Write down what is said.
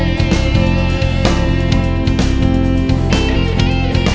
โทษใส่ค่ะ